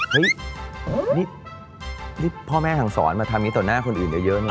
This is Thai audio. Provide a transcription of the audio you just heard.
เฮ้ยนี่พ่อแม่สั่งสอนมาทำอย่างนี้ต่อหน้าคนอื่นเยอะนะ